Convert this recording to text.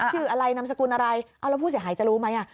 ชื่ออะไรนามสกุลอะไรเอาแล้วผู้เสียหายจะรู้ไหมอ่ะ